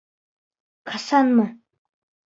Ҡасанмы?